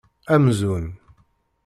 Amzun!